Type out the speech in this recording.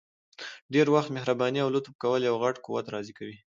ډير وخت مهرباني او لطف کول یو غټ قوت راضي کوي!